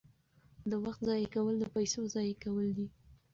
د وخت ضایع کول د پیسو ضایع کول دي.